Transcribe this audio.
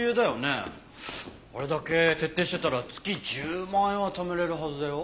あれだけ徹底してたら月１０万円は貯められるはずだよ。